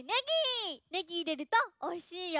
ネギいれるとおいしいよ。